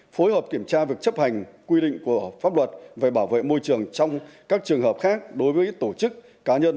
phối hợp kiểm tra việc chấp hành quy định của pháp luật về bảo vệ môi trường trong các trường hợp khác đối với tổ chức cá nhân